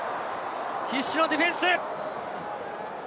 必死のディフェンス。